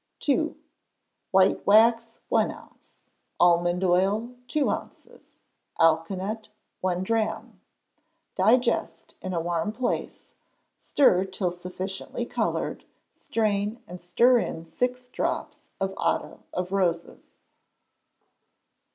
ii. White wax, one ounce; almond oil, two ounces; alkanet, one drachm; digest in a warm place, stir till sufficiently coloured, strain and stir in six drops of otto of roses.